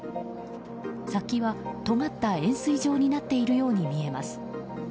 先はとがった円錐状になっているように見えます。